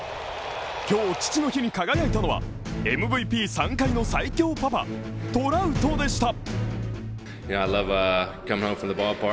今日父の日に輝いたのは、ＭＶＰ３回の最強パパ・トラウトでした。